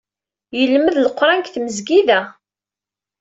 Yelmed Leqran deg tmesgida.